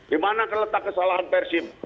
di mana keletak kesalahan persib